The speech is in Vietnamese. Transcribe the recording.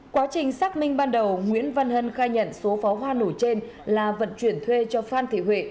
quá trình xác minh ban đầu nguyễn văn hân khai nhận số pháo hoa nổ trên là vận chuyển thuê cho phan thị huệ